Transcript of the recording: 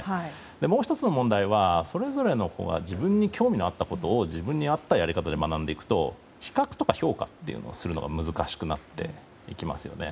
もう１つの問題はそれぞれの子が自分の興味に合ったことを自分に合ったやり方で学んでいくと比較とか評価をするのが難しくなっていきますよね。